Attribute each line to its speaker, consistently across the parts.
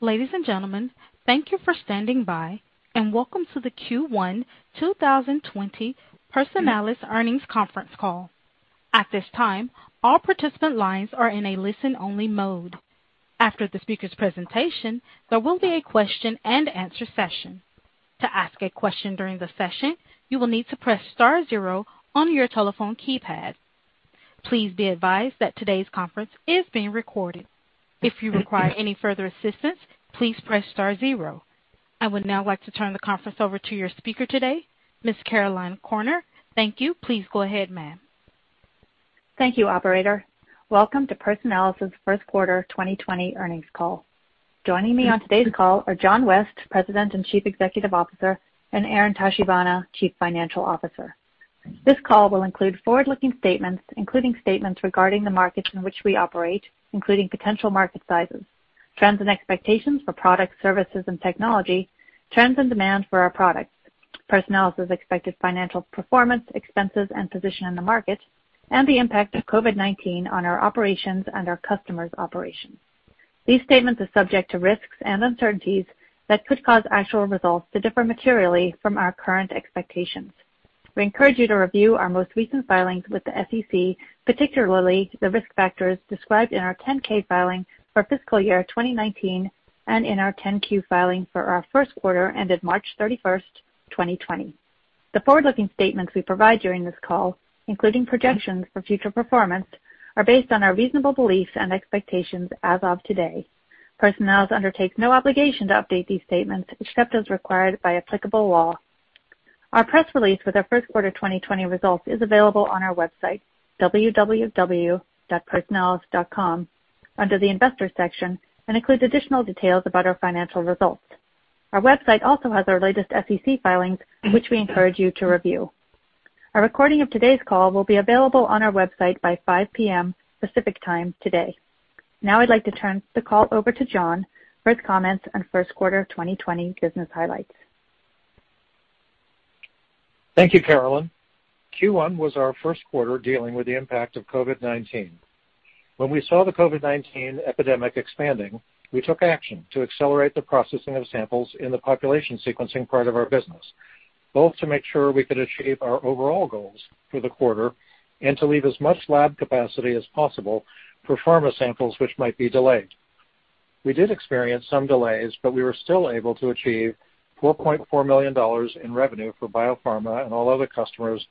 Speaker 1: Ladies and gentlemen, thank you for standing by, and welcome to the Q1 2020 Personalis Earnings Conference Call. At this time, all participant lines are in a listen-only mode. After the speaker's presentation, there will be a question-and-answer session. To ask a question during the session, you will need to press star zero on your telephone keypad. Please be advised that today's conference is being recorded. If you require any further assistance, please press star zero. I would now like to turn the conference over to your speaker today, Ms. Caroline Corner. Thank you. Please go ahead, ma'am.
Speaker 2: Thank you, Operator. Welcome to Personalis' first quarter 2020 earnings call. Joining me on today's call are John West, President and Chief Executive Officer, and Aaron Tachibana, Chief Financial Officer. This call will include forward-looking statements, including statements regarding the markets in which we operate, including potential market sizes, trends and expectations for products, services, and technology, trends and demand for our product, Personalis' expected financial performance, expenses, and position in the market, and the impact of COVID-19 on our operations and our customers' operations. These statements are subject to risks and uncertainties that could cause actual results to differ materially from our current expectations. We encourage you to review our most recent filings with the SEC, particularly the risk factors described in our 10-K filing for fiscal year 2019 and in our 10-Q filing for our first quarter ended March 31, 2020. The forward-looking statements we provide during this call, including projections for future performance, are based on our reasonable beliefs and expectations as of today. Personalis undertakes no obligation to update these statements except as required by applicable law. Our press release with our first quarter 2020 results is available on our website, www.personalis.com, under the investor section, and includes additional details about our financial results. Our website also has our latest SEC filings, which we encourage you to review. A recording of today's call will be available on our website by 5:00 P.M. Pacific Time today. Now I'd like to turn the call over to John for his comments on first quarter 2020 business highlights.
Speaker 3: Thank you, Caroline. Q1 was our first quarter dealing with the impact of COVID-19. When we saw the COVID-19 epidemic expanding, we took action to accelerate the processing of samples in the population sequencing part of our business, both to make sure we could achieve our overall goals for the quarter and to leave as much lab capacity as possible for pharma samples which might be delayed. We did experience some delays, but we were still able to achieve $4.4 million in revenue for biopharma and all other customers,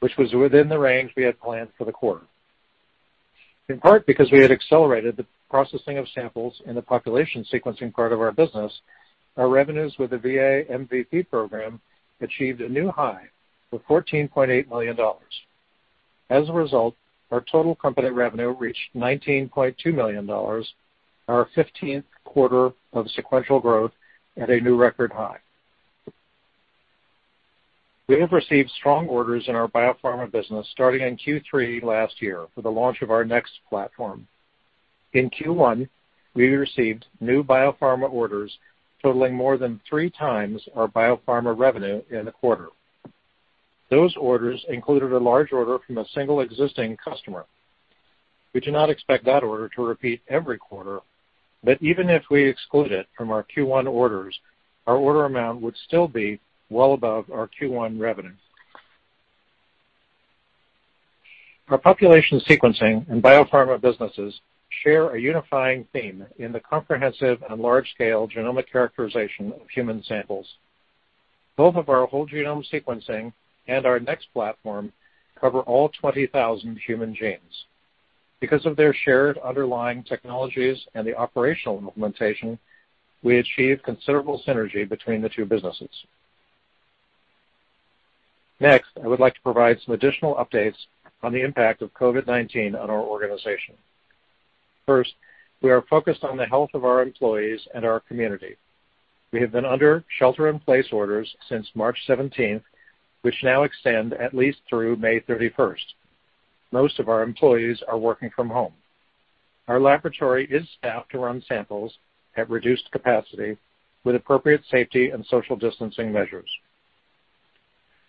Speaker 3: which was within the range we had planned for the quarter. In part because we had accelerated the processing of samples in the population sequencing part of our business, our revenues with the VA MVP program achieved a new high of $14.8 million. As a result, our total company revenue reached $19.2 million, our 15th quarter of sequential growth at a new record high. We have received strong orders in our biopharma business starting in Q3 last year for the launch of our NeXT Platform. In Q1, we received new biopharma orders totaling more than three times our biopharma revenue in the quarter. Those orders included a large order from a single existing customer. We do not expect that order to repeat every quarter, but even if we exclude it from our Q1 orders, our order amount would still be well above our Q1 revenue. Our population sequencing and biopharma businesses share a unifying theme in the comprehensive and large-scale genomic characterization of human samples. Both of our whole genome sequencing and our NeXT Platform cover all 20,000 human genes. Because of their shared underlying technologies and the operational implementation, we achieve considerable synergy between the two businesses. Next, I would like to provide some additional updates on the impact of COVID-19 on our organization. First, we are focused on the health of our employees and our community. We have been under shelter-in-place orders since March 17, which now extend at least through May 31. Most of our employees are working from home. Our laboratory is staffed to run samples at reduced capacity with appropriate safety and social distancing measures.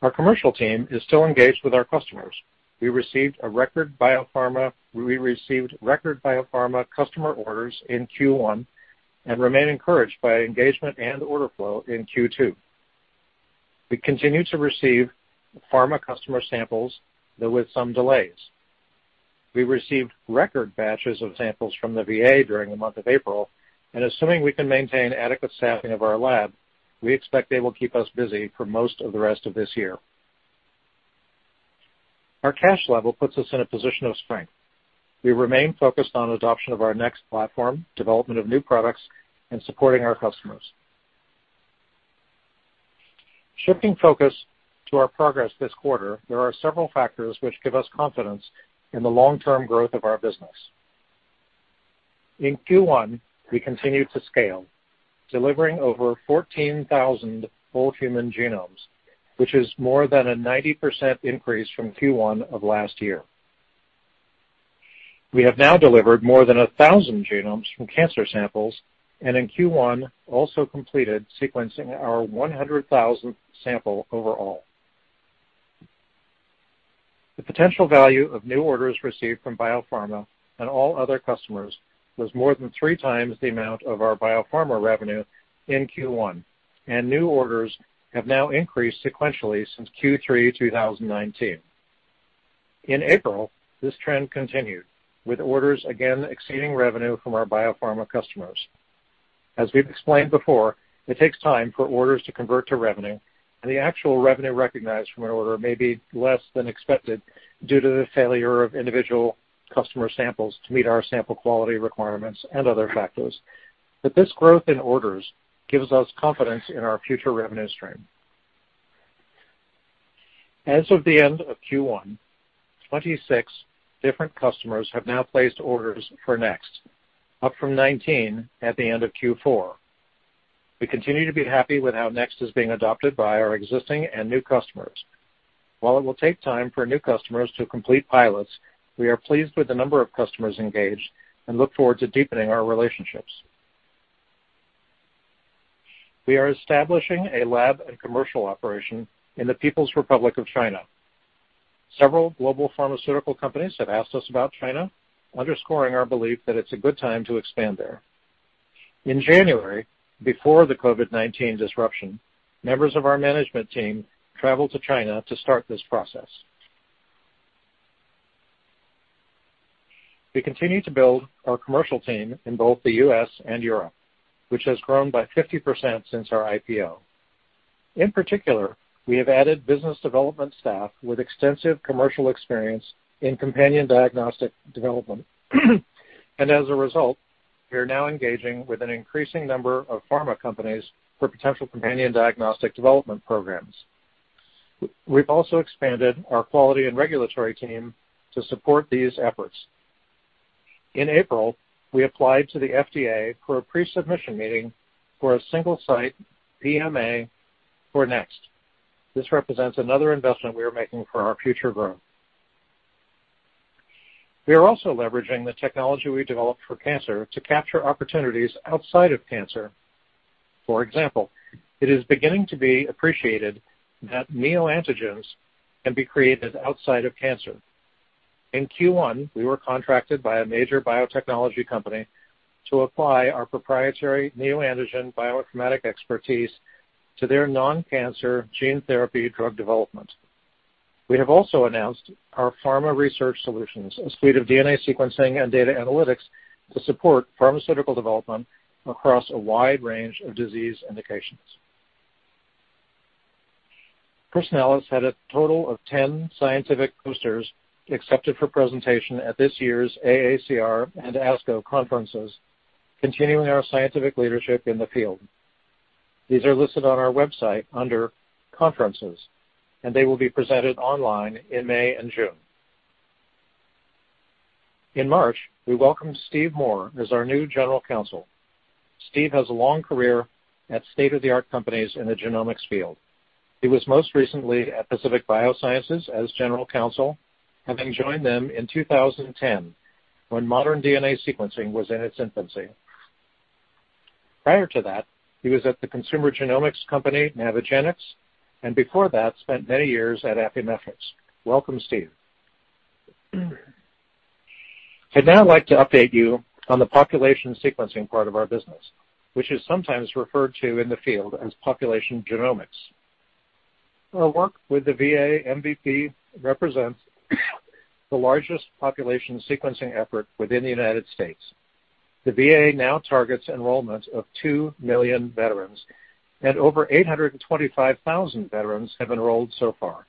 Speaker 3: Our commercial team is still engaged with our customers. We received record biopharma customer orders in Q1 and remain encouraged by engagement and order flow in Q2. We continue to receive pharma customer samples, though with some delays. We received record batches of samples from the VA during the month of April, and assuming we can maintain adequate staffing of our lab, we expect they will keep us busy for most of the rest of this year. Our cash level puts us in a position of strength. We remain focused on adoption of our NeXT Platform, development of new products, and supporting our customers. Shifting focus to our progress this quarter, there are several factors which give us confidence in the long-term growth of our business. In Q1, we continued to scale, delivering over 14,000 whole human genomes, which is more than a 90% increase from Q1 of last year. We have now delivered more than 1,000 genomes from cancer samples and in Q1 also completed sequencing our 100,000th sample overall. The potential value of new orders received from biopharma and all other customers was more than 3x the amount of our biopharma revenue in Q1, and new orders have now increased sequentially since Q3 2019. In April, this trend continued, with orders again exceeding revenue from our biopharma customers. As we've explained before, it takes time for orders to convert to revenue, and the actual revenue recognized from an order may be less than expected due to the failure of individual customer samples to meet our sample quality requirements and other factors. This growth in orders gives us confidence in our future revenue stream. As of the end of Q1, 26 different customers have now placed orders for NeXT, up from 19 at the end of Q4. We continue to be happy with how NeXT is being adopted by our existing and new customers. While it will take time for new customers to complete pilots, we are pleased with the number of customers engaged and look forward to deepening our relationships. We are establishing a lab and commercial operation in the People's Republic of China. Several global pharmaceutical companies have asked us about China, underscoring our belief that it's a good time to expand there. In January, before the COVID-19 disruption, members of our management team traveled to China to start this process. We continue to build our commercial team in both the U.S. and Europe, which has grown by 50% since our IPO. In particular, we have added business development staff with extensive commercial experience in companion diagnostic development, and as a result, we are now engaging with an increasing number of pharma companies for potential companion diagnostic development programs. We've also expanded our quality and regulatory team to support these efforts. In April, we applied to the FDA for a pre-submission meeting for a single-site PMA for NeXT. This represents another investment we are making for our future growth. We are also leveraging the technology we developed for cancer to capture opportunities outside of cancer. For example, it is beginning to be appreciated that neoantigens can be created outside of cancer. In Q1, we were contracted by a major biotechnology company to apply our proprietary neoantigen biopharmaceutical expertise to their non-cancer gene therapy drug development. We have also announced our Pharma Research Solutions, a suite of DNA sequencing and data analytics to support pharmaceutical development across a wide range of disease indications. Personalis had a total of 10 scientific posters accepted for presentation at this year's AACR and ASCO conferences, continuing our scientific leadership in the field. These are listed on our website under conferences, and they will be presented online in May and June. In March, we welcomed Steve Moore as our new General Counsel. Steve has a long career at state-of-the-art companies in the genomics field. He was most recently at Pacific Biosciences as General Counsel, having joined them in 2010 when modern DNA sequencing was in its infancy. Prior to that, he was at the consumer genomics company Navigenics, and before that, spent many years at Affymetrix. Welcome, Steve. I'd now like to update you on the population sequencing part of our business, which is sometimes referred to in the field as population genomics. Our work with the VA MVP represents the largest population sequencing effort within the United States. The VA now targets enrollment of 2 million veterans, and over 825,000 veterans have enrolled so far.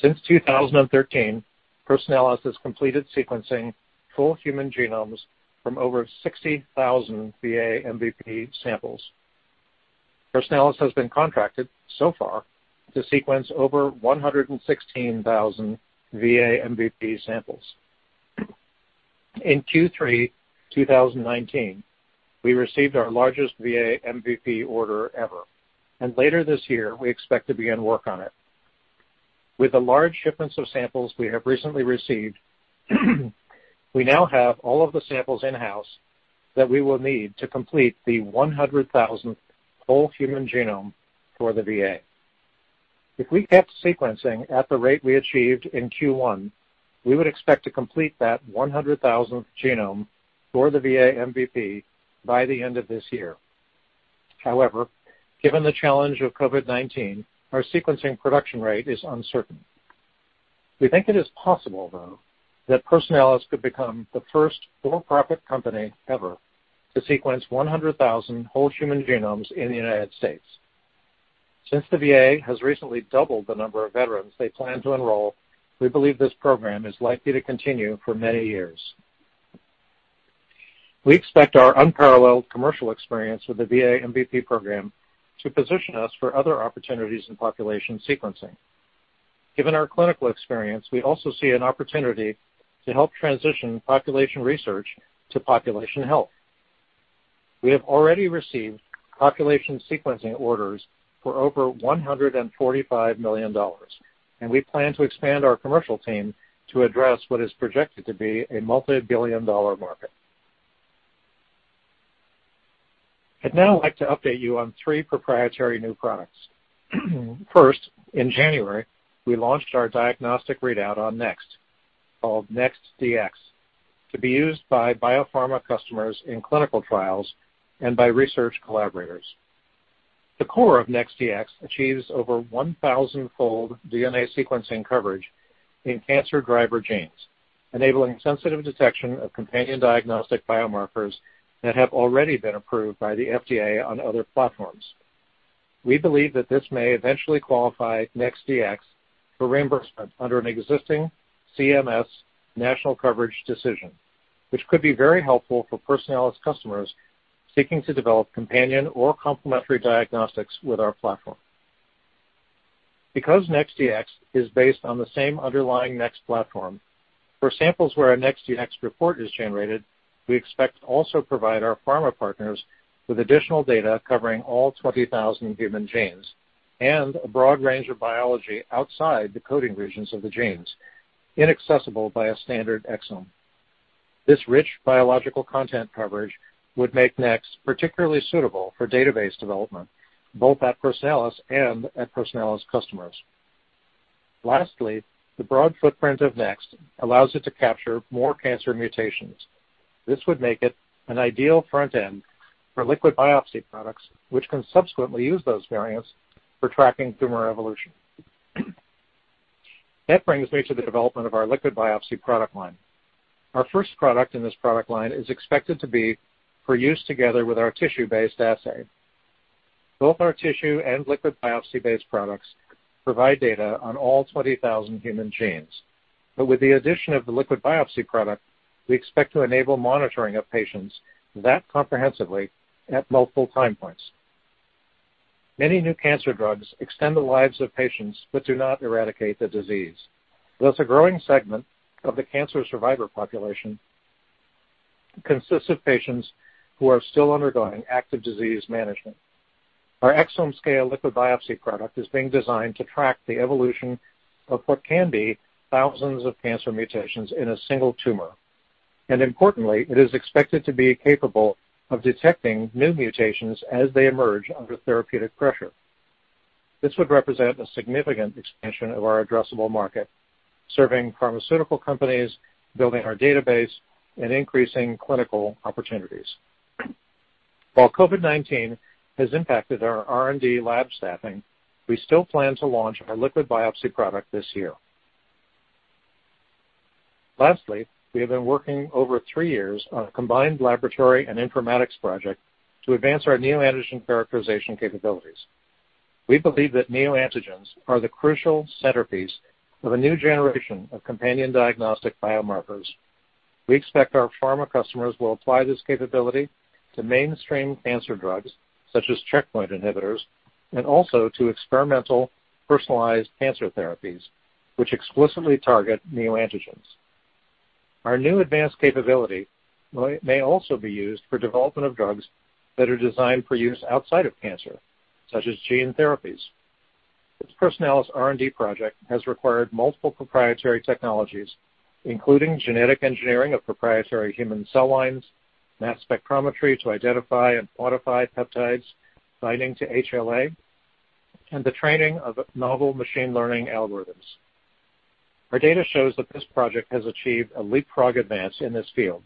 Speaker 3: Since 2013, Personalis has completed sequencing full human genomes from over 60,000 VA MVP samples. Personalis has been contracted so far to sequence over 116,000 VA MVP samples. In Q3 2019, we received our largest VA MVP order ever, and later this year, we expect to begin work on it. With the large shipments of samples we have recently received, we now have all of the samples in-house that we will need to complete the 100,000th whole human genome for the VA. If we kept sequencing at the rate we achieved in Q1, we would expect to complete that 100,000th genome for the VA MVP by the end of this year. However, given the challenge of COVID-19, our sequencing production rate is uncertain. We think it is possible, though, that Personalis could become the first for-profit company ever to sequence 100,000 whole human genomes in the United States. Since the VA MVP has recently doubled the number of veterans they plan to enroll, we believe this program is likely to continue for many years. We expect our unparalleled commercial experience with the VA MVP program to position us for other opportunities in population sequencing. Given our clinical experience, we also see an opportunity to help transition population research to population health. We have already received population sequencing orders for over $145 million, and we plan to expand our commercial team to address what is projected to be a multi-billion dollar market. I'd now like to update you on three proprietary new products. First, in January, we launched our diagnostic readout on NeXT, called NeXT Dx, to be used by biopharma customers in clinical trials and by research collaborators. The core of NeXT Dx achieves over 1,000-fold DNA sequencing coverage in cancer driver genes, enabling sensitive detection of companion diagnostic biomarkers that have already been approved by the FDA on other platforms. We believe that this may eventually qualify NeXT Dx for reimbursement under an existing CMS national coverage decision, which could be very helpful for Personalis customers seeking to develop companion or complementary diagnostics with our platform. Because NeXT Dx is based on the same underlying NeXT Platform, for samples where a NeXT Dx report is generated, we expect to also provide our pharma partners with additional data covering all 20,000 human genes and a broad range of biology outside the coding regions of the genes inaccessible by a standard exome. This rich biological content coverage would make NeXT particularly suitable for database development, both at Personalis and at Personalis customers. Lastly, the broad footprint of NeXT allows it to capture more cancer mutations. This would make it an ideal front end for liquid biopsy products, which can subsequently use those variants for tracking tumor evolution. That brings me to the development of our liquid biopsy product line. Our first product in this product line is expected to be for use together with our tissue-based assay. Both our tissue and liquid biopsy-based products provide data on all 20,000 human genes, but with the addition of the liquid biopsy product, we expect to enable monitoring of patients that comprehensively at multiple time points. Many new cancer drugs extend the lives of patients but do not eradicate the disease. Thus, a growing segment of the cancer survivor population consists of patients who are still undergoing active disease management. Our exome-scale liquid biopsy product is being designed to track the evolution of what can be thousands of cancer mutations in a single tumor, and importantly, it is expected to be capable of detecting new mutations as they emerge under therapeutic pressure. This would represent a significant expansion of our addressable market, serving pharmaceutical companies, building our database, and increasing clinical opportunities. While COVID-19 has impacted our R&D lab staffing, we still plan to launch our liquid biopsy product this year. Lastly, we have been working over three years on a combined laboratory and informatics project to advance our neoantigen characterization capabilities. We believe that neoantigens are the crucial centerpiece of a new generation of companion diagnostic biomarkers. We expect our pharma customers will apply this capability to mainstream cancer drugs, such as checkpoint inhibitors, and also to experimental personalized cancer therapies, which explicitly target neoantigens. Our new advanced capability may also be used for development of drugs that are designed for use outside of cancer, such as gene therapies. This Personalis R&D project has required multiple proprietary technologies, including genetic engineering of proprietary human cell lines, mass spectrometry to identify and quantify peptides, binding to HLA, and the training of novel machine learning algorithms. Our data shows that this project has achieved a leapfrog advance in this field.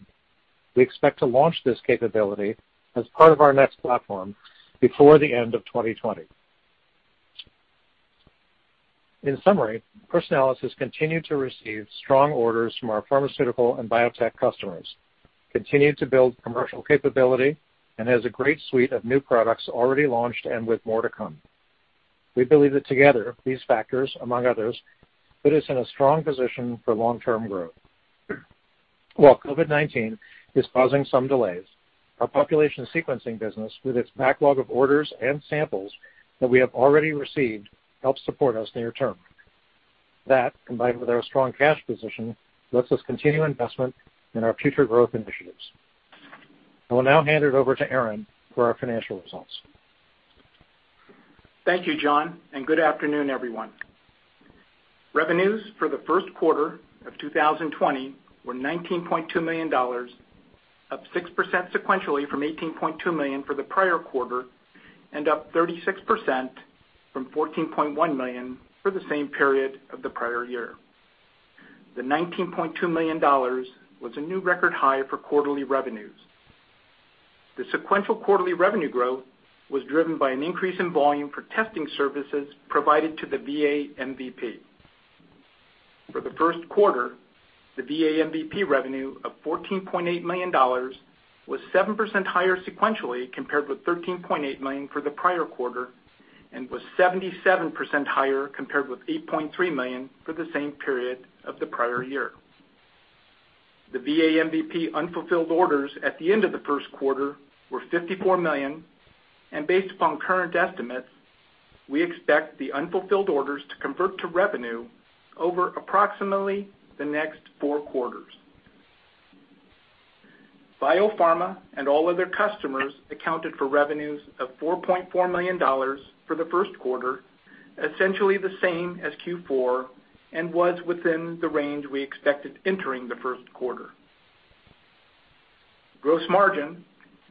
Speaker 3: We expect to launch this capability as part of our NeXT Platform before the end of 2020. In summary, Personalis has continued to receive strong orders from our pharmaceutical and biotech customers, continued to build commercial capability, and has a great suite of new products already launched and with more to come. We believe that together, these factors, among others, put us in a strong position for long-term growth. While COVID-19 is causing some delays, our population sequencing business, with its backlog of orders and samples that we have already received, helps support us near term. That, combined with our strong cash position, lets us continue investment in our future growth initiatives. I will now hand it over to Aaron for our financial results.
Speaker 4: Thank you, John, and good afternoon, everyone. Revenues for the first quarter of 2020 were $19.2 million, up 6% sequentially from $18.2 million for the prior quarter, and up 36% from $14.1 million for the same period of the prior year. The $19.2 million was a new record high for quarterly revenues. The sequential quarterly revenue growth was driven by an increase in volume for testing services provided to the VA MVP. For the first quarter, the VA MVP revenue of $14.8 million was 7% higher sequentially compared with $13.8 million for the prior quarter and was 77% higher compared with $8.3 million for the same period of the prior year. The VA MVP unfulfilled orders at the end of the first quarter were $54 million, and based upon current estimates, we expect the unfulfilled orders to convert to revenue over approximately the next four quarters. Biopharma and all other customers accounted for revenues of $4.4 million for the first quarter, essentially the same as Q4, and was within the range we expected entering the first quarter. Gross margin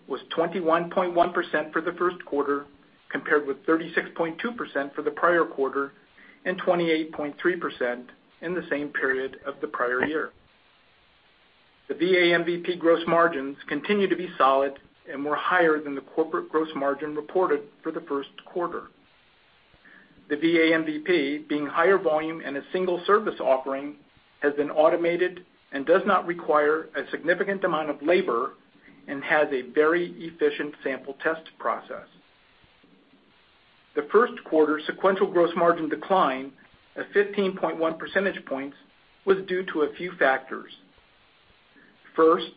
Speaker 4: was 21.1% for the first quarter compared with 36.2% for the prior quarter and 28.3% in the same period of the prior year. The VA MVP gross margins continue to be solid and were higher than the corporate gross margin reported for the first quarter. The VA MVP, being higher volume and a single service offering, has been automated and does not require a significant amount of labor and has a very efficient sample test process. The first quarter sequential gross margin decline of 15.1 percentage points was due to a few factors. First,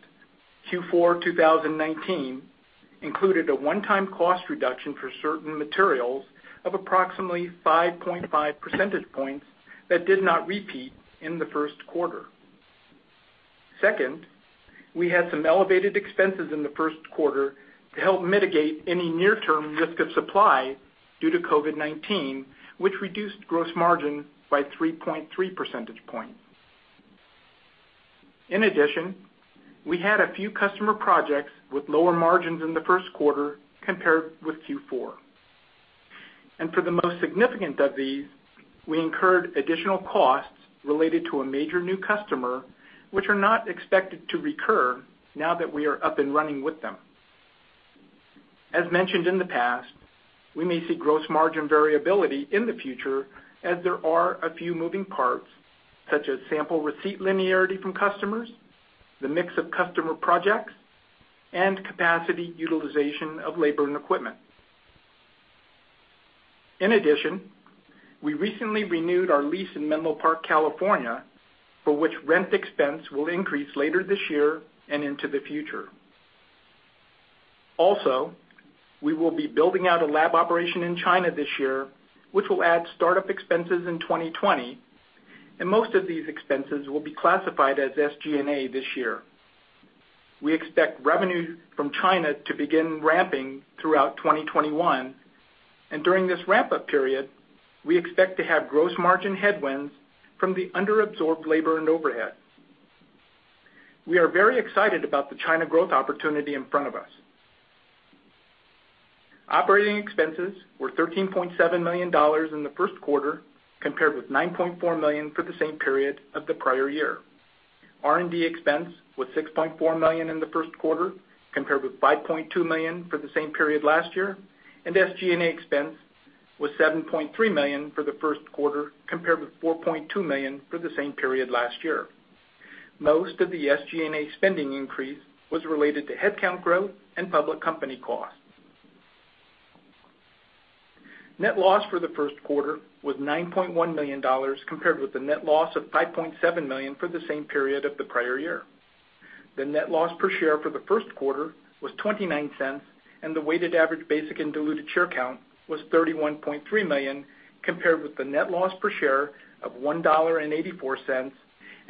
Speaker 4: Q4 2019 included a one-time cost reduction for certain materials of approximately 5.5 percentage points that did not repeat in the first quarter. Second, we had some elevated expenses in the first quarter to help mitigate any near-term risk of supply due to COVID-19, which reduced gross margin by 3.3 percentage points. In addition, we had a few customer projects with lower margins in the first quarter compared with Q4. For the most significant of these, we incurred additional costs related to a major new customer, which are not expected to recur now that we are up and running with them. As mentioned in the past, we may see gross margin variability in the future as there are a few moving parts, such as sample receipt linearity from customers, the mix of customer projects, and capacity utilization of labor and equipment. In addition, we recently renewed our lease in Menlo Park, California, for which rent expense will increase later this year and into the future. Also, we will be building out a lab operation in China this year, which will add startup expenses in 2020, and most of these expenses will be classified as SG&A this year. We expect revenue from China to begin ramping throughout 2021, and during this ramp-up period, we expect to have gross margin headwinds from the under-absorbed labor and overhead. We are very excited about the China growth opportunity in front of us. Operating expenses were $13.7 million in the first quarter compared with $9.4 million for the same period of the prior year. R&D expense was $6.4 million in the first quarter compared with $5.2 million for the same period last year, and SG&A expense was $7.3 million for the first quarter compared with $4.2 million for the same period last year. Most of the SG&A spending increase was related to headcount growth and public company costs. Net loss for the first quarter was $9.1 million compared with the net loss of $5.7 million for the same period of the prior year. The net loss per share for the first quarter was $0.29, and the weighted average basic and diluted share count was 31.3 million compared with the net loss per share of $1.84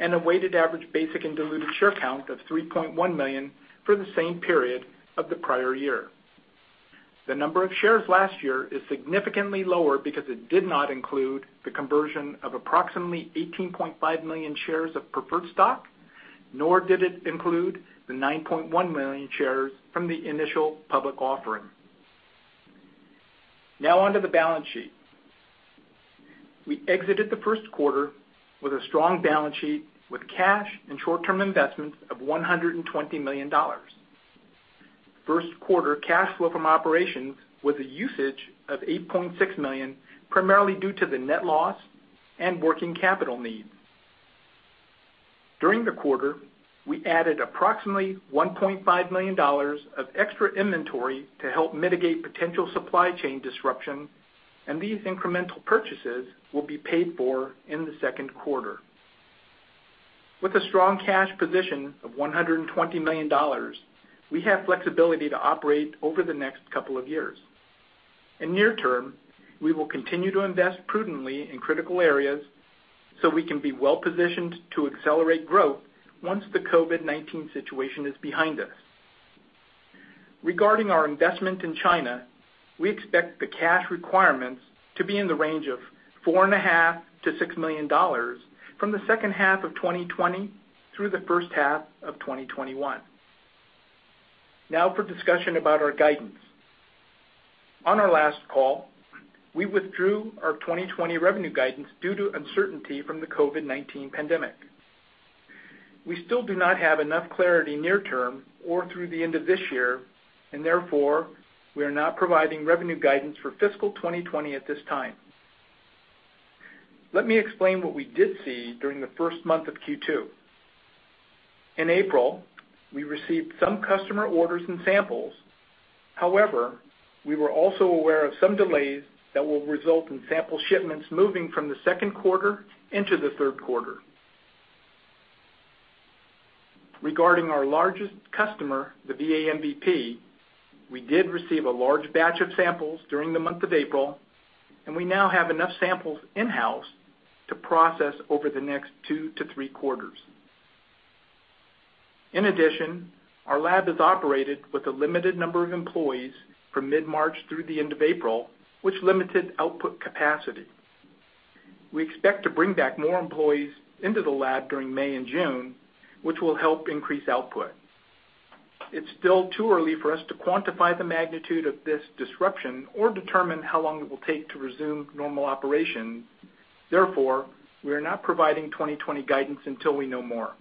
Speaker 4: and a weighted average basic and diluted share count of 3.1 million for the same period of the prior year. The number of shares last year is significantly lower because it did not include the conversion of approximately 18.5 million shares of preferred stock, nor did it include the 9.1 million shares from the initial public offering. Now onto the balance sheet. We exited the first quarter with a strong balance sheet with cash and short-term investments of $120 million. First quarter cash flow from operations was a usage of $8.6 million, primarily due to the net loss and working capital needs. During the quarter, we added approximately $1.5 million of extra inventory to help mitigate potential supply chain disruption, and these incremental purchases will be paid for in the second quarter. With a strong cash position of $120 million, we have flexibility to operate over the next couple of years. In the near term, we will continue to invest prudently in critical areas so we can be well-positioned to accelerate growth once the COVID-19 situation is behind us. Regarding our investment in China, we expect the cash requirements to be in the range of $4.5 million-$6 million from the second half of 2020 through the first half of 2021. Now for discussion about our guidance. On our last call, we withdrew our 2020 revenue guidance due to uncertainty from the COVID-19 pandemic. We still do not have enough clarity near term or through the end of this year, and therefore, we are not providing revenue guidance for fiscal 2020 at this time. Let me explain what we did see during the first month of Q2. In April, we received some customer orders and samples; however, we were also aware of some delays that will result in sample shipments moving from the second quarter into the third quarter. Regarding our largest customer, the VA MVP, we did receive a large batch of samples during the month of April, and we now have enough samples in-house to process over the next two to three quarters. In addition, our lab is operated with a limited number of employees from mid-March through the end of April, which limited output capacity. We expect to bring back more employees into the lab during May and June, which will help increase output. It's still too early for us to quantify the magnitude of this disruption or determine how long it will take to resume normal operations. Therefore, we are not providing 2020 guidance until we know more.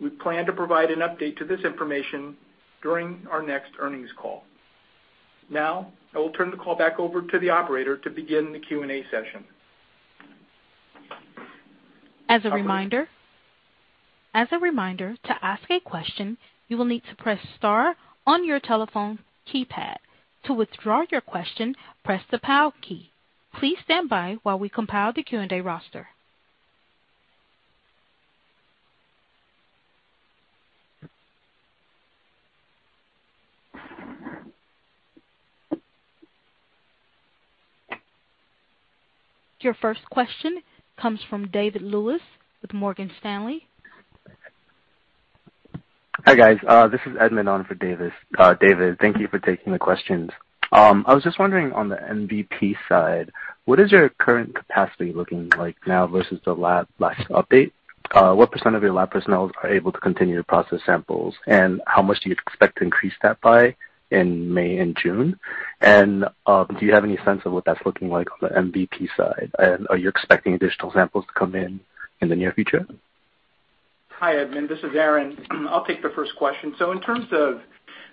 Speaker 4: We plan to provide an update to this information during our next earnings call. Now, I will turn the call back over to the operator to begin the Q&A session.
Speaker 1: As a reminder, to ask a question, you will need to press star on your telephone keypad. To withdraw your question, press the power key. Please stand by while we compile the Q&A roster. Your first question comes from Edmund with Morgan Stanley. Hi guys, this is Edmund on for David. David, thank you for taking the questions. I was just wondering on the MVP side, what is your current capacity looking like now versus the last update? What percentage of your lab personnel are able to continue to process samples, and how much do you expect to increase that by in May and June? Do you have any sense of what that's looking like on the MVP side, and are you expecting additional samples to come in in the near future?
Speaker 4: Hi, Edmund, this is Aaron. I'll take the first question. In terms of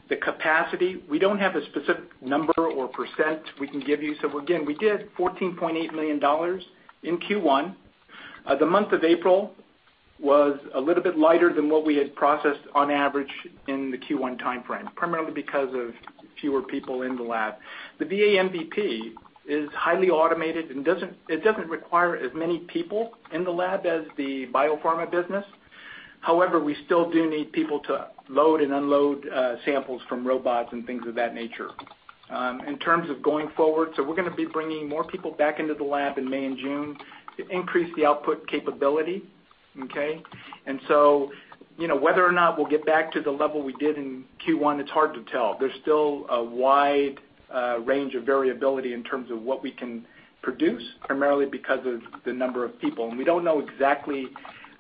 Speaker 4: the capacity, we don't have a specific number or percentage we can give you. We did $14.8 million in Q1. The month of April was a little bit lighter than what we had processed on average in the Q1 timeframe, primarily because of fewer people in the lab. The VA MVP is highly automated, and it does not require as many people in the lab as the biopharma business. However, we still do need people to load and unload samples from robots and things of that nature. In terms of going forward, we are going to be bringing more people back into the lab in May and June to increase the output capability, okay? Whether or not we will get back to the level we did in Q1, it is hard to tell. There is still a wide range of variability in terms of what we can produce, primarily because of the number of people. We do not know exactly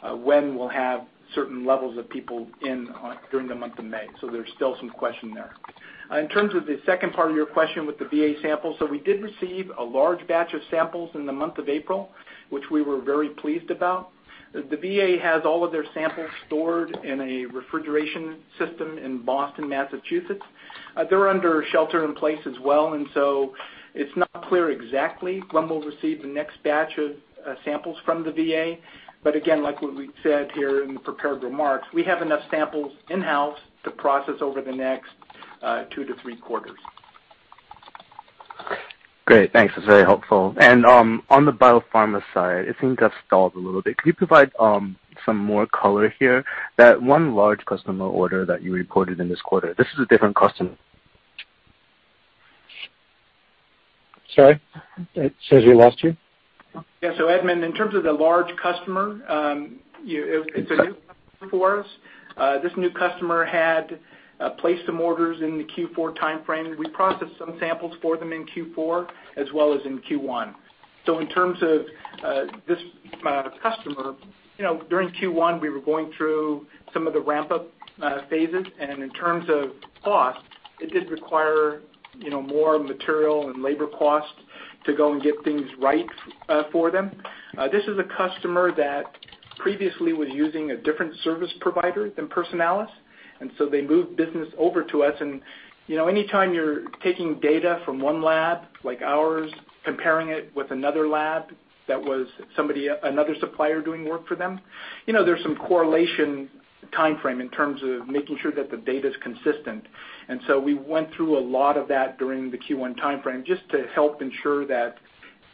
Speaker 4: when we will have certain levels of people in during the month of May, so there is still some question there. In terms of the second part of your question with the VA sample, we did receive a large batch of samples in the month of April, which we were very pleased about. The VA has all of their samples stored in a refrigeration system in Boston, Massachusetts. They are under shelter in place as well, and it is not clear exactly when we will receive the next batch of samples from the VA. Like what we said here in the prepared remarks, we have enough samples in-house to process over the next two to three quarters. Great. Thanks. That is very helpful. On the biopharma side, it seems to have stalled a little bit. Could you provide some more color here? That one large customer order that you reported in this quarter, this is a different customer. Sorry? It says we lost you. Yeah. Edmund, in terms of the large customer, it's a new customer for us. This new customer had placed some orders in the Q4 timeframe. We processed some samples for them in Q4 as well as in Q1. In terms of this customer, during Q1, we were going through some of the ramp-up phases, and in terms of cost, it did require more material and labor costs to go and get things right for them. This is a customer that previously was using a different service provider than Personalis, and they moved business over to us. Anytime you're taking data from one lab like ours, comparing it with another lab that was another supplier doing work for them, there's some correlation timeframe in terms of making sure that the data's consistent. We went through a lot of that during the Q1 timeframe just to help ensure that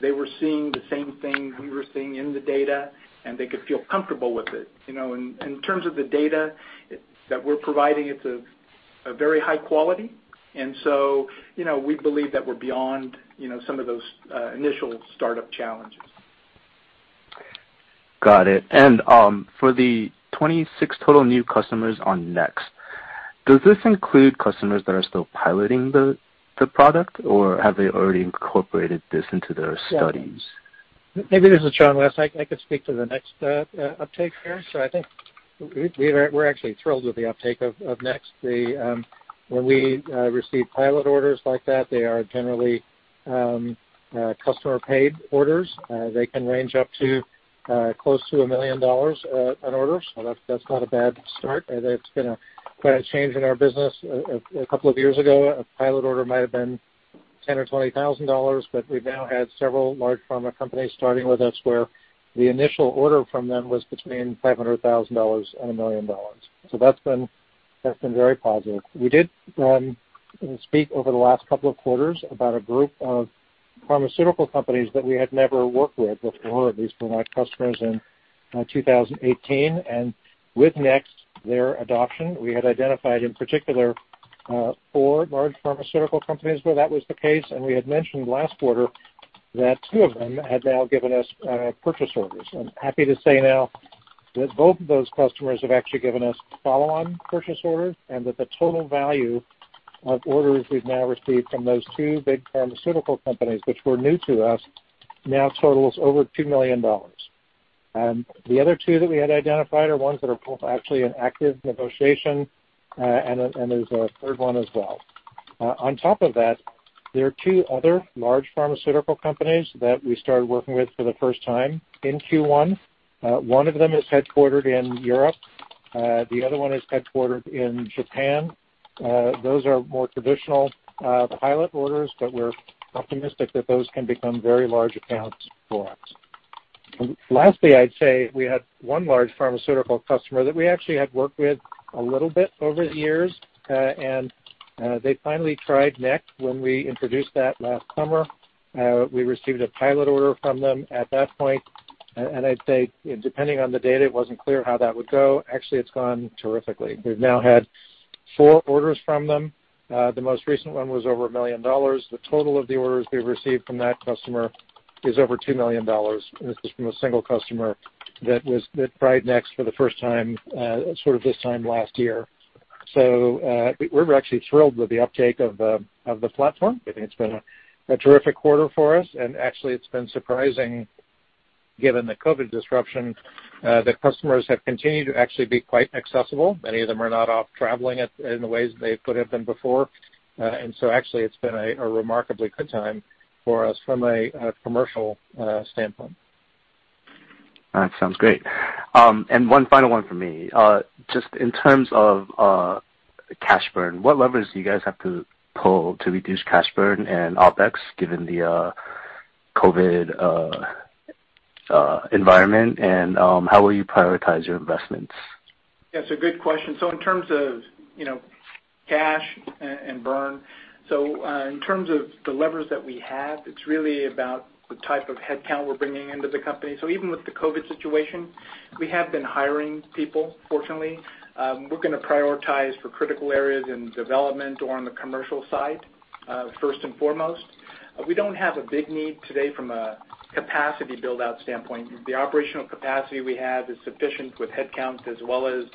Speaker 4: they were seeing the same thing we were seeing in the data, and they could feel comfortable with it. In terms of the data that we're providing, it's of very high quality, and we believe that we're beyond some of those initial startup challenges. Got it. For the 26 total new customers on NeXT, does this include customers that are still piloting the product, or have they already incorporated this into their studies?
Speaker 3: Maybe this is John West. I could speak to the NeXT uptake here. I think we're actually thrilled with the uptake of NeXT. When we receive pilot orders like that, they are generally customer-paid orders. They can range up to close to $1 million an order, so that's not a bad start. It's been quite a change in our business. A couple of years ago, a pilot order might have been $10,000, or $20,000, but we've now had several large pharma companies starting with us where the initial order from them was between $500,000 and $1 million. That's been very positive. We did speak over the last couple of quarters about a group of pharmaceutical companies that we had never worked with before, at least were not customers in 2018. With NeXT, their adoption, we had identified in particular four large pharmaceutical companies where that was the case, and we had mentioned last quarter that two of them had now given us purchase orders. I'm happy to say now that both of those customers have actually given us follow-on purchase orders, and that the total value of orders we've now received from those two big pharmaceutical companies, which were new to us, now totals over $2 million. The other two that we had identified are ones that are both actually in active negotiation, and there's a third one as well. On top of that, there are two other large pharmaceutical companies that we started working with for the first time in Q1. One of them is headquartered in Europe. The other one is headquartered in Japan. Those are more traditional pilot orders, but we're optimistic that those can become very large accounts for us. Lastly, I'd say we had one large pharmaceutical customer that we actually had worked with a little bit over the years, and they finally tried NeXT. When we introduced that last summer, we received a pilot order from them at that point. I'd say, depending on the data, it wasn't clear how that would go. Actually, it's gone terrifically. We've now had four orders from them. The most recent one was over $1 million. The total of the orders we've received from that customer is over $2 million. This is from a single customer that tried NeXT for the first time sort of this time last year. We're actually thrilled with the uptake of the platform. I think it's been a terrific quarter for us, and actually, it's been surprising given the COVID disruption. The customers have continued to actually be quite accessible. Many of them are not off traveling in the ways they could have been before. It's been a remarkably good time for us from a commercial standpoint. That sounds great. One final one for me. Just in terms of cash burn, what levers do you guys have to pull to reduce cash burn and OpEx given the COVID environment, and how will you prioritize your investments?
Speaker 4: Yeah. It's a good question. In terms of cash and burn, in terms of the levers that we have, it's really about the type of headcount we're bringing into the company. Even with the COVID situation, we have been hiring people, fortunately. We're going to prioritize for critical areas in development or on the commercial side first and foremost. We don't have a big need today from a capacity build-out standpoint. The operational capacity we have is sufficient with headcount as well as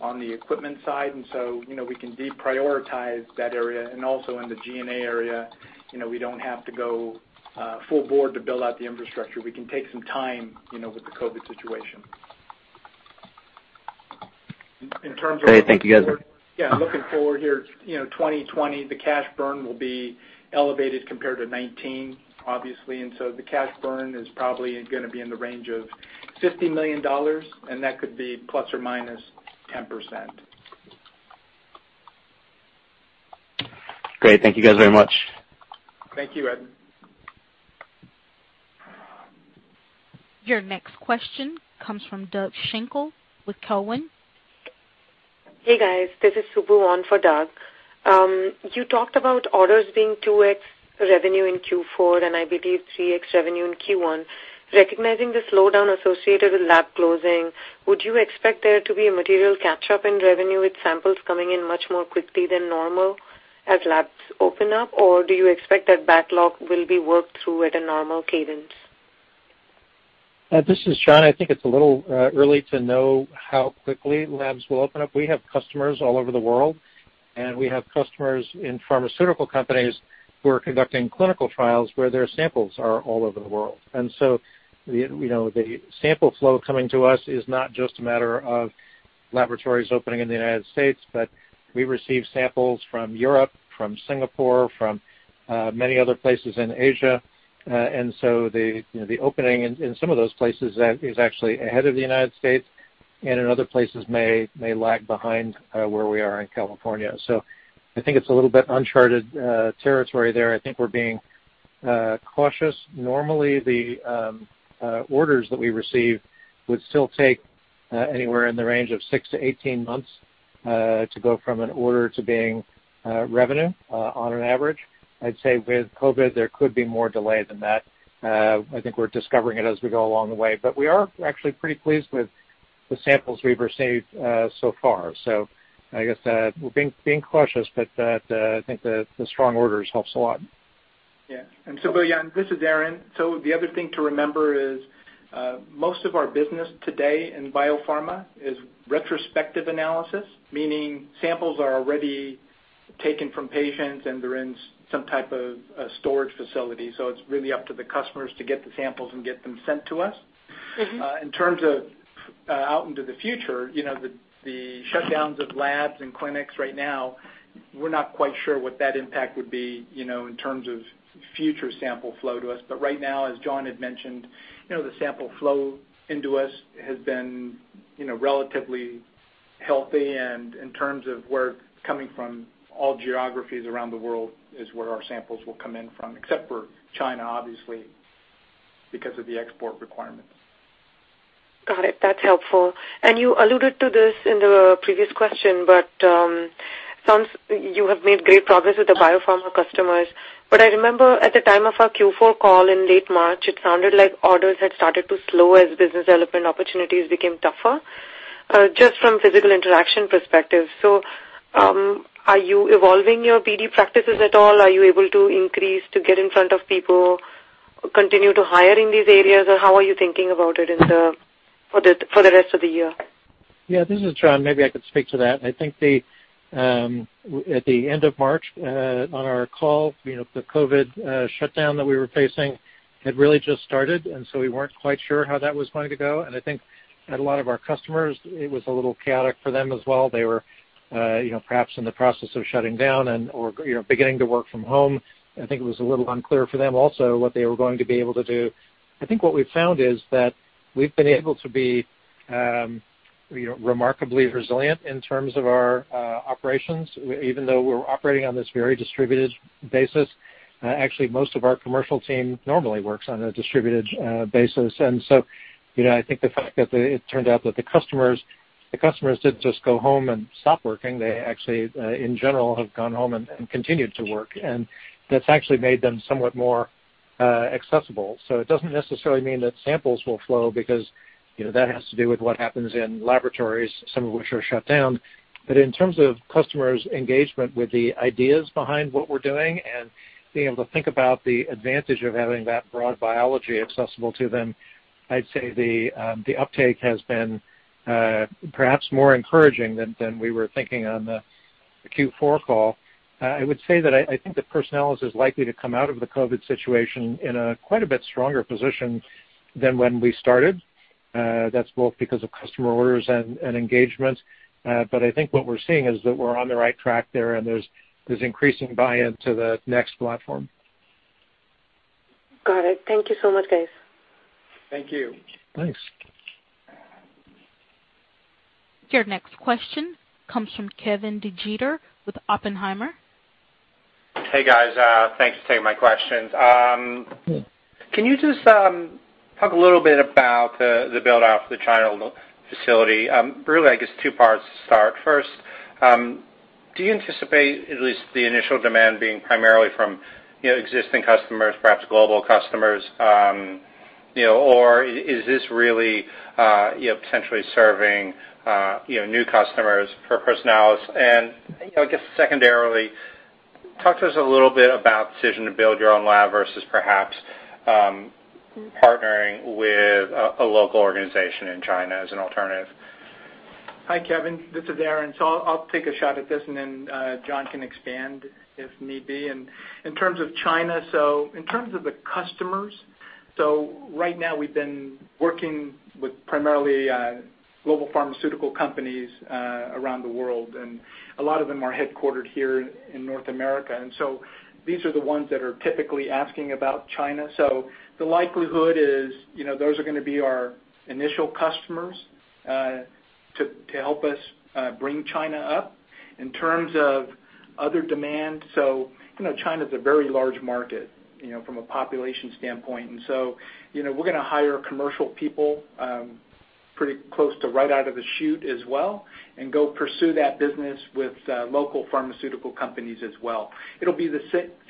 Speaker 4: on the equipment side, and we can deprioritize that area. Also in the G&A area, we do not have to go full board to build out the infrastructure. We can take some time with the COVID situation. In terms of- Great. Thank you, guys.
Speaker 3: Yeah. Looking forward here, 2020, the cash burn will be elevated compared to 2019, obviously. The cash burn is probably going to be in the range of $50 million, and that could be ± 10%. Great. Thank you, guys, very much.
Speaker 4: Thank you, Edmund.
Speaker 1: Your next question comes from Subbu Nambi with Cowen. Hey, guys. This is Subbu Nambi for Doug. You talked about orders being 2x revenue in Q4 and I believe 3x revenue in Q1. Recognizing the slowdown associated with lab closing, would you expect there to be a material catch-up in revenue with samples coming in much more quickly than normal as labs open up, or do you expect that backlog will be worked through at a normal cadence?
Speaker 3: This is John. I think it's a little early to know how quickly labs will open up. We have customers all over the world, and we have customers in pharmaceutical companies who are conducting clinical trials where their samples are all over the world. The sample flow coming to us is not just a matter of laboratories opening in the United States, but we receive samples from Europe, from Singapore, from many other places in Asia. The opening in some of those places is actually ahead of the United States, and in other places may lag behind where we are in California. I think it is a little bit uncharted territory there. I think we are being cautious. Normally, the orders that we receive would still take anywhere in the range of 6 months-18 months to go from an order to being revenue on an average. I'd say with COVID, there could be more delay than that. I think we are discovering it as we go along the way, but we are actually pretty pleased with the samples we've received so far. I guess we are being cautious, but I think the strong orders help a lot.
Speaker 4: Yeah. And Subbu N, yeah, and this is Aaron. The other thing to remember is most of our business today in biopharma is retrospective analysis, meaning samples are already taken from patients, and they're in some type of storage facility. It is really up to the customers to get the samples and get them sent to us. In terms of out into the future, the shutdowns of labs and clinics right now, we're not quite sure what that impact would be in terms of future sample flow to us. Right now, as John had mentioned, the sample flow into us has been relatively healthy, and in terms of where it's coming from, all geographies around the world is where our samples will come in from, except for China, obviously, because of the export requirements. Got it. That's helpful. You alluded to this in the previous question, but it sounds you have made great progress with the biopharma customers. I remember at the time of our Q4 call in late March, it sounded like orders had started to slow as business development opportunities became tougher just from a physical interaction perspective. Are you evolving your BD practices at all? Are you able to increase to get in front of people, continue to hire in these areas, or how are you thinking about it for the rest of the year?
Speaker 3: Yeah. This is John. Maybe I could speak to that. I think at the end of March on our call, the COVID shutdown that we were facing had really just started, and we were not quite sure how that was going to go. I think at a lot of our customers, it was a little chaotic for them as well. They were perhaps in the process of shutting down or beginning to work from home. I think it was a little unclear for them also what they were going to be able to do. I think what we've found is that we've been able to be remarkably resilient in terms of our operations, even though we're operating on this very distributed basis. Actually, most of our commercial team normally works on a distributed basis. I think the fact that it turned out that the customers didn't just go home and stop working. They actually, in general, have gone home and continued to work, and that's actually made them somewhat more accessible. It does not necessarily mean that samples will flow because that has to do with what happens in laboratories, some of which are shut down. In terms of customers' engagement with the ideas behind what we are doing and being able to think about the advantage of having that broad biology accessible to them, I would say the uptake has been perhaps more encouraging than we were thinking on the Q4 call. I would say that I think that Personalis is likely to come out of the COVID situation in quite a bit stronger position than when we started. That is both because of customer orders and engagement. I think what we are seeing is that we are on the right track there, and there is increasing buy-in to the NeXT platform. Got it. Thank you so much, guys. Thank you. Thanks.
Speaker 1: Your next question comes from Kevin DeGeeter with Oppenheimer. Hey, guys. Thanks for taking my questions. Can you just talk a little bit about the build-out for the China facility? Really, I guess, two parts to start. First, do you anticipate at least the initial demand being primarily from existing customers, perhaps global customers, or is this really potentially serving new customers for Personalis? I guess secondarily, talk to us a little bit about the decision to build your own lab versus perhaps partnering with a local organization in China as an alternative.
Speaker 4: Hi, Kevin. This is Aaron. I'll take a shot at this, and then John can expand if need be. In terms of China, in terms of the customers, right now, we've been working with primarily global pharmaceutical companies around the world, and a lot of them are headquartered here in North America. These are the ones that are typically asking about China. The likelihood is those are going to be our initial customers to help us bring China up. In terms of other demand, China is a very large market from a population standpoint, and we are going to hire commercial people pretty close to right out of the chute as well and go pursue that business with local pharmaceutical companies as well. It will be the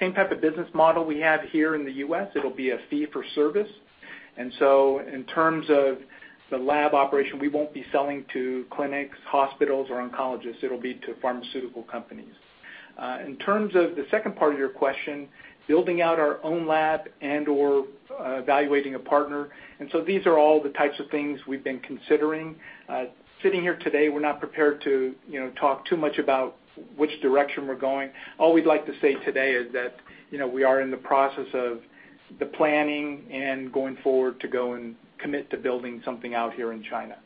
Speaker 4: same type of business model we have here in the U.S. It will be a fee-for-service. In terms of the lab operation, we will not be selling to clinics, hospitals, or oncologists. It will be to pharmaceutical companies. In terms of the second part of your question, building out our own lab and/or evaluating a partner. These are all the types of things we have been considering. Sitting here today, we're not prepared to talk too much about which direction we're going. All we'd like to say today is that we are in the process of the planning and going forward to go and commit to building something out here in China.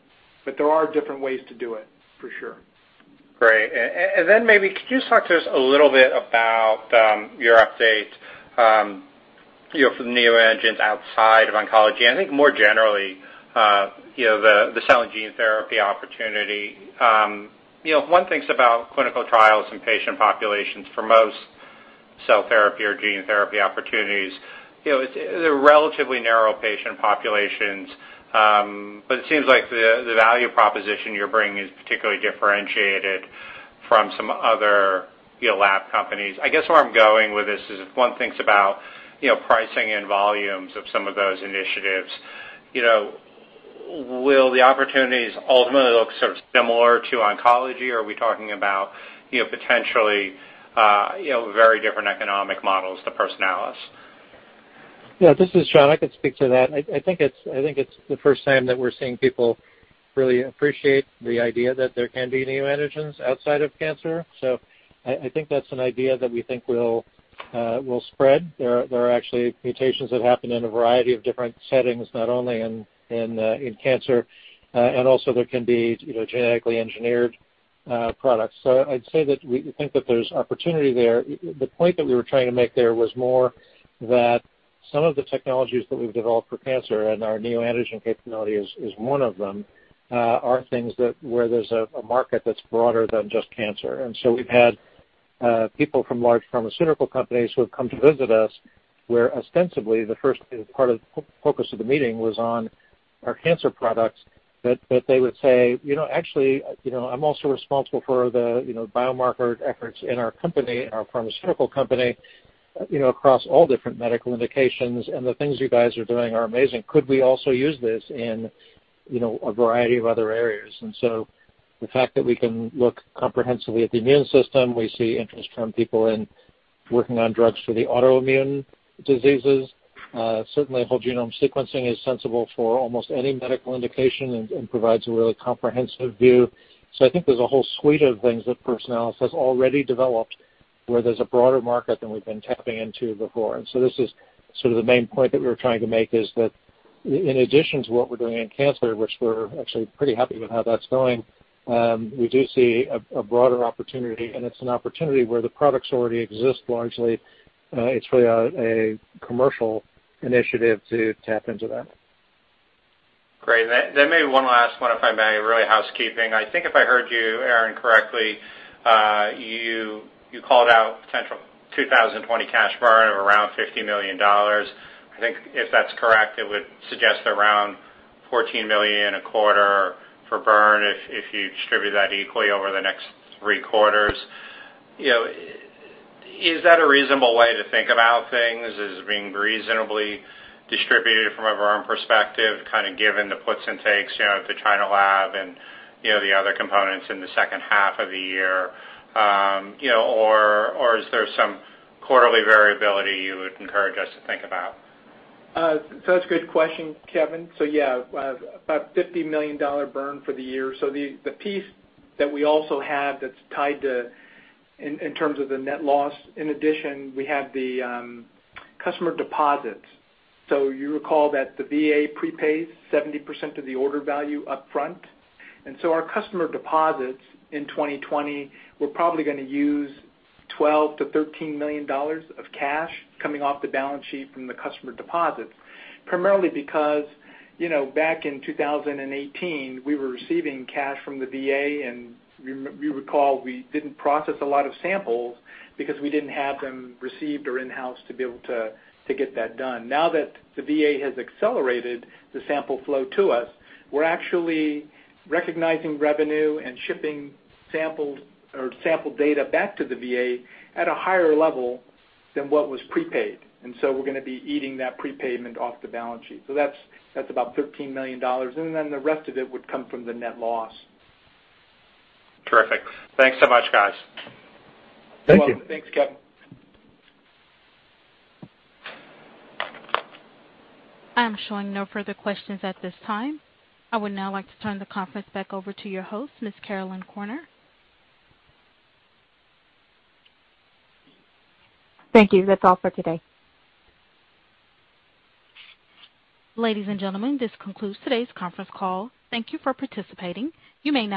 Speaker 4: There are different ways to do it, for sure. Great. Maybe could you just talk to us a little bit about your update for the neoantigens outside of oncology? I think more generally, the cell and gene therapy opportunity. One thinks about clinical trials and patient populations for most cell therapy or gene therapy opportunities. They're relatively narrow patient populations, but it seems like the value proposition you're bringing is particularly differentiated from some other lab companies. I guess where I'm going with this is if one thinks about pricing and volumes of some of those initiatives, will the opportunities ultimately look sort of similar to oncology, or are we talking about potentially very different economic models to Personalis? Yeah.
Speaker 3: This is John. I could speak to that. I think it's the first time that we're seeing people really appreciate the idea that there can be neoantigens outside of cancer. I think that's an idea that we think will spread. There are actually mutations that happen in a variety of different settings, not only in cancer, and also there can be genetically engineered products. I'd say that we think that there's opportunity there. The point that we were trying to make there was more that some of the technologies that we've developed for cancer and our neoengine capability is one of them are things where there's a market that's broader than just cancer. We have had people from large pharmaceutical companies who have come to visit us where ostensibly the first part of the focus of the meeting was on our cancer products, but they would say, "Actually, I'm also responsible for the biomarker efforts in our company, our pharmaceutical company across all different medical indications, and the things you guys are doing are amazing. Could we also use this in a variety of other areas?" The fact that we can look comprehensively at the immune system, we see interest from people in working on drugs for the autoimmune diseases. Certainly, whole genome sequencing is sensible for almost any medical indication and provides a really comprehensive view. I think there's a whole suite of things that Personalis has already developed where there's a broader market than we've been tapping into before. This is sort of the main point that we were trying to make is that in addition to what we're doing in cancer, which we're actually pretty happy with how that's going, we do see a broader opportunity, and it's an opportunity where the products already exist largely. It's really a commercial initiative to tap into that. Great. Maybe one last one, if I may, really housekeeping. I think if I heard you, Aaron, correctly, you called out potential 2020 cash burn of around $50 million. I think if that's correct, it would suggest around $14 million in a quarter for burn if you distribute that equally over the next three quarters. Is that a reasonable way to think about things as being reasonably distributed from a burn perspective, kind of given the puts and takes at the China lab and the other components in the second half of the year? Is there some quarterly variability you would encourage us to think about? That's a good question, Kevin. Yeah, about $50 million burn for the year. The piece that we also have that's tied to in terms of the net loss, in addition, we have the customer deposits. You recall that the VA prepays 70% of the order value upfront. Our customer deposits in 2020, we're probably going to use $12 million-$13 million of cash coming off the balance sheet from the customer deposits, primarily because back in 2018, we were receiving cash from the VA, and you recall we did not process a lot of samples because we did not have them received or in-house to be able to get that done. Now that the VA has accelerated the sample flow to us, we're actually recognizing revenue and shipping sample data back to the VA at a higher level than what was prepaid. We're going to be eating that prepayment off the balance sheet. That is about $13 million. The rest of it would come from the net loss. Terrific. Thanks so much, guys. Thank you.
Speaker 4: Thanks, Kevin.
Speaker 1: I'm showing no further questions at this time. I would now like to turn the conference back over to your host, Ms. Caroline Corner.
Speaker 2: Thank you. That's all for today.
Speaker 1: Ladies and gentlemen, this concludes today's conference call. Thank you for participating. You may now disconnect.